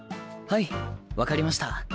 はい分かりました。